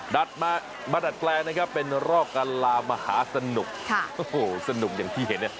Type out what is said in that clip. ดัดมาดัดแกลเป็นรอกละมาฝรกสนุกอย่างที่เห็น